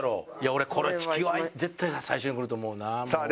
俺コロチキは絶対最初に来ると思うなあ。